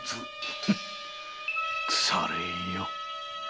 腐れ縁よ。